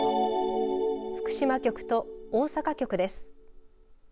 福島局と大阪局です。